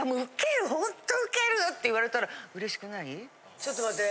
ちょっと待って。